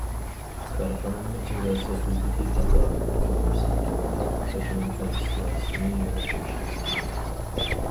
كارخانىنىڭ چېگرا سىرتىدىكى تاپاۋىتىنى ئۇنىۋېرسال توغرىلاپ كەچۈرۈم قىلىش سىياسىتىنى يولغا قويۇشىمىز كېرەك.